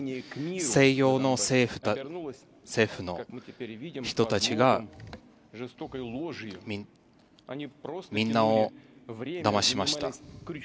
西洋の政府の人たちがみんなをだましました。